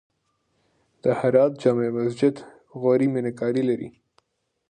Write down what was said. د هرات جمعې مسجد غوري میناکاري لري